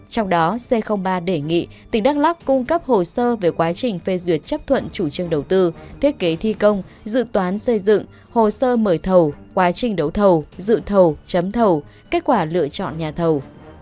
trong đó c ba đề nghị tỉnh đắk lắc cung cấp hồ sơ về quá trình phê duyệt chấp thuận chủ trương đầu tư thiết kế thi công dự toán xây dựng hồ sơ mời thầu quá trình đấu thầu dự thầu chấm thầu kết quả lựa chọn nhà thầu